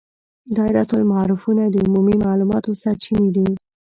دایرة المعارفونه د عمومي معلوماتو سرچینې دي.